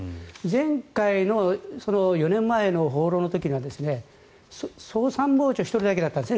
前回の４年前の訪ロの時には総参謀長１人だけだったんです